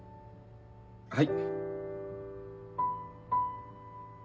はい。